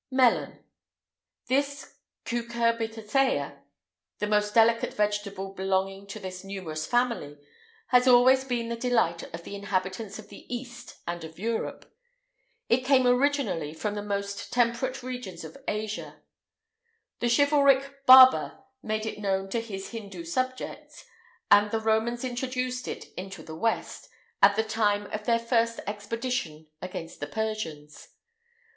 [IX 154] MELON. This cucurbitacea, the most delicate vegetable belonging to this numerous family, has always been the delight of the inhabitants of the East and of Europe. It came originally from the most temperate regions of Asia; the chivalric Baber made it known to his Hindoo subjects;[IX 155] and the Romans introduced it into the west, at the time of their first expedition against the Persians.